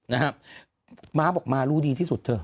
นะครับมาบอกมารู้ดีที่สุดเธอ